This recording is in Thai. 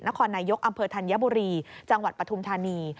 นครนายกอำเภอธัญบุรีจังหวัดปฐุมธานี